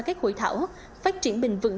các hội thảo phát triển bình vững